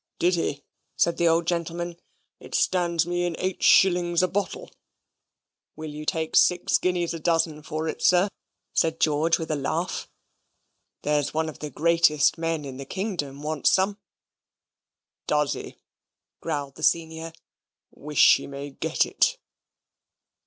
"Did he?" said the old gentleman. "It stands me in eight shillings a bottle." "Will you take six guineas a dozen for it, sir?" said George, with a laugh. "There's one of the greatest men in the kingdom wants some." "Does he?" growled the senior. "Wish he may get it."